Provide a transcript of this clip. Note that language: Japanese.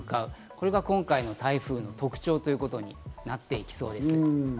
これが今回の台風の特徴ということになっていきそうです。